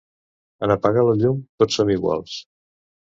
En apagar la llum, tots som iguals.